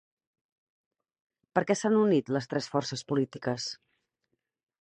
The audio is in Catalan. Per què s'han unit les tres forces polítiques?